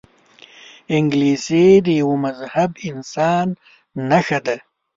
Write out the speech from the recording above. انګلیسي د یوه مهذب انسان نښه ده